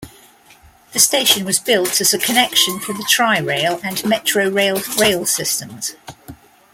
The station was built as a connection for the Tri-Rail and Metrorail rail systems.